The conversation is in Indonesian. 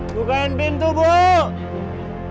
bukain pintu mbak